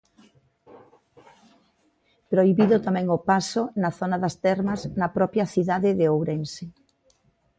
Prohibido tamén o paso na zona das termas na propia cidade de Ourense.